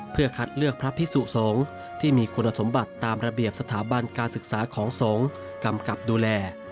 เพื่อคัดเลือกพระพิสุสงฆ์ที่มีคุณสมบัติตามระเบียบสถาบันการศึกษาของสงฆ์กำกับดูแล